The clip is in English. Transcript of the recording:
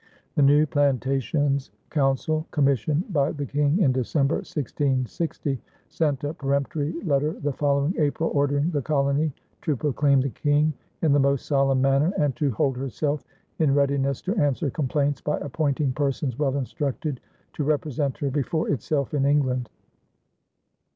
The new plantations council, commissioned by the King in December, 1660, sent a peremptory letter the following April ordering the colony to proclaim the King "in the most solemn manner," and to hold herself in readiness to answer complaints by appointing persons well instructed to represent her before itself in England.